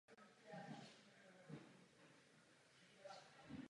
Pro obchod musí být dva.